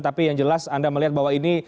tapi yang jelas anda melihat bahwa ini